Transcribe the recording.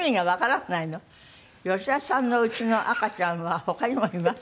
「吉田さんの家の赤ちゃんは他にもいます」